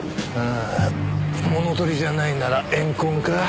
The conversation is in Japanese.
あ物盗りじゃないなら怨恨か？